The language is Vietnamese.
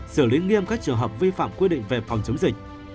xử lý nghiêm các trường hợp vi phạm quy định về phòng chống dịch